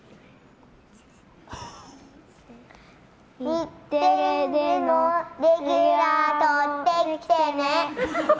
日テレでもレギュラー取ってきてね！